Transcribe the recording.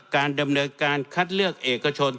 การดำเนินการคัดเลือกเอกชน